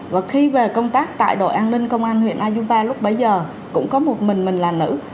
và khi về công tác tại đội an ninh công an huyện ayunpa lúc bấy giờ cũng có một mình mình là nữ